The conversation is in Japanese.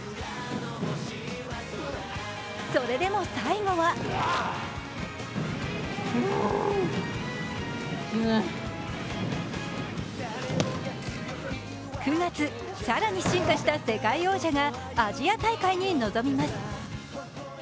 それでも最後は９月、更に進化した世界王者がアジア大会に臨みます。